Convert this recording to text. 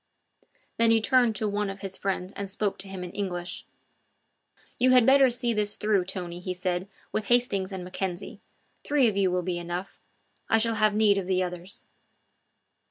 Then he turned to one of his friends and spoke to him in English: "You had better see this through, Tony," he said, "with Hastings and Mackenzie. Three of you will be enough; I shall have need of the others."